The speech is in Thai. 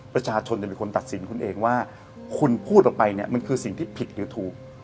ประชาชนจะเป็นคนตัดสินคุณเองว่าคุณพูดออกไปเนี่ยมันคือสิ่งที่ผิดหรือถูก